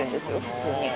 普通に。